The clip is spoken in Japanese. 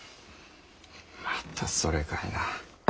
またそれかいな。